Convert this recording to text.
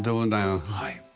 はい。